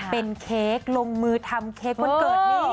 เป็นเค้กลงมือทำเค้กวันเกิดนี่